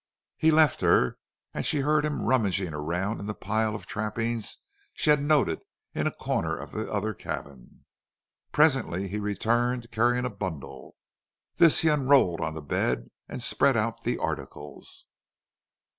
He left her and she heard him rummaging around in the pile of trappings she had noted in a corner of the other cabin. Presently he returned carrying a bundle. This he unrolled on the bed and spread out the articles.